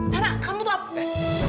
nara kamu tuh apa